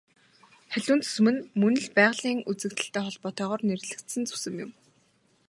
Халиун зүсэм нь мөн л байгалийн үзэгдэлтэй холбоотойгоор нэрлэгдсэн зүсэм юм.